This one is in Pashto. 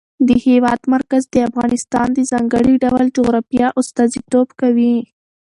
د هېواد مرکز د افغانستان د ځانګړي ډول جغرافیه استازیتوب کوي.